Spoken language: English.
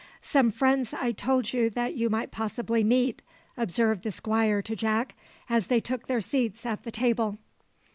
"Some friends I told you that you might possibly meet," observed the Squire to Jack, as they took their seats at the table.